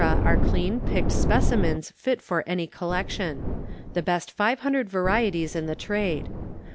are clean, picked specimens fit for any collection. The best 500 varieties in the trade.